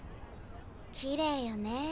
きれいよね。